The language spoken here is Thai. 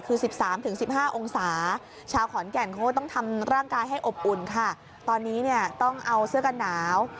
คือ๑๓๑๕องศา